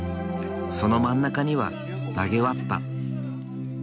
その真ん中には曲げわっぱ。